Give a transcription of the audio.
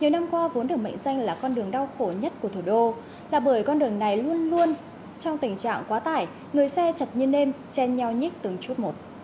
nhiều năm qua vốn được mệnh danh là con đường đau khổ nhất của thủ đô là bởi con đường này luôn luôn trong tình trạng quá tải người xe chật như đêm chen nhau nhích từng chút một